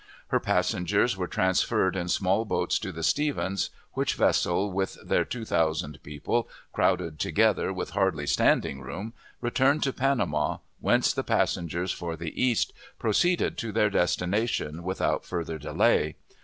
Her passengers were transferred in small boats to the Stephens, which vessel, with her two thousand people crowded together with hardly standing room, returned to Panama, whence the passengers for the East proceeded to their destination without further delay.